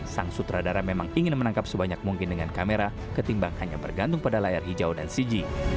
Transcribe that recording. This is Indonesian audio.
sang sutradara memang ingin menangkap sebanyak mungkin dengan kamera ketimbang hanya bergantung pada layar hijau dan cg